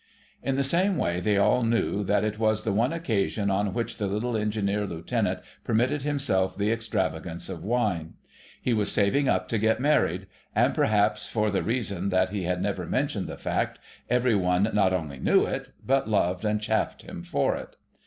In the same way they all knew that it was the one occasion on which the little Engineer Lieutenant permitted himself the extravagance of wine. He was saving up to get married; and perhaps for the reason that he had never mentioned the fact, every one not only knew it, but loved and chaffed him for it.